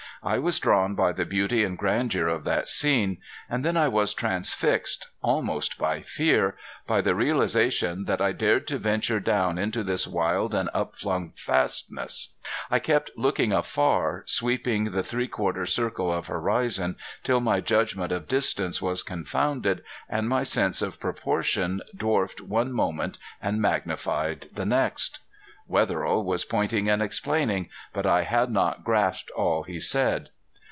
I was drawn by the beauty and grandeur of that scene; and then I was transfixed, almost by fear, by the realization that I dared to venture down into this wild and upflung fastness. I kept looking afar, sweeping the three quarter circle of horizon till my judgment of distance was confounded and my sense of proportion dwarfed one moment and magnified the next. Wetherill was pointing and explaining, but I had not grasped all he said.